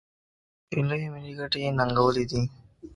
چې لویې ملي ګټې یې ننګولي دي.